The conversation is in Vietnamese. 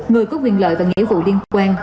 người có quyền lợi và nghệ vụ liên quan